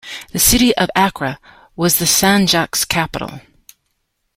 The city of Acre was the Sanjak's capital.